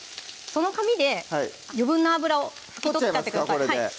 その紙で余分な油を拭き取っちゃってください